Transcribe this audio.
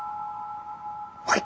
はい。